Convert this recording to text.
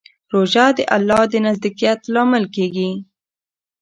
روژه د الله د نزدېکت لامل کېږي.